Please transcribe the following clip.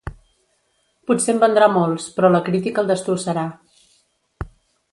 Potser en vendrà molts, però la crítica el destrossarà.